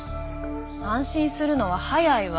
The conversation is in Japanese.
安心するのは早いわ。